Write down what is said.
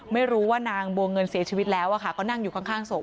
ไม่รู้ว่านางบัวเงินเสียชีวิตแล้วก็นั่งอยู่ข้างศพ